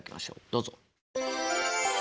どうぞ。